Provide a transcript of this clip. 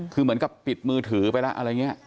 คือเหมือนกับปิดมือถือไปแล้วอะไรอย่างนี้